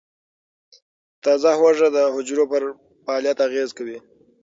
تازه هوږه د حجرو پر فعالیت اغېز کوي.